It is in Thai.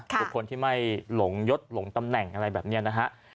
บุคคลที่ไม่หลงยศหลงตำแหน่งอะไรแบบนี้นะฮะ